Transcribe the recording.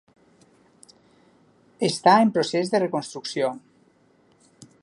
Està en procés de reconstrucció.